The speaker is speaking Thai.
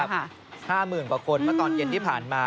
๕หมื่นกว่าคนตอนเย็นที่ผ่านมา